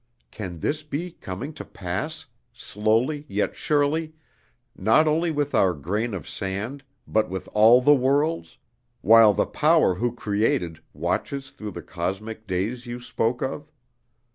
Can this be coming to pass, slowly yet surely, not only with our grain of sand, but with all the worlds, while the Power who created watches through the cosmic days you spoke of?